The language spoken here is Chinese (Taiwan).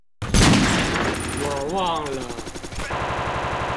我忘了